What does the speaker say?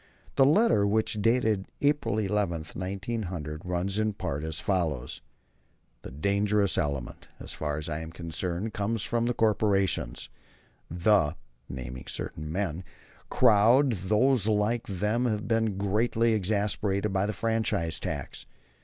The letter, which is dated April 11, 1900, runs in part as follows: "The dangerous element as far as I am concerned comes from the corporations. The [naming certain men] crowd and those like them have been greatly exasperated by the franchise tax.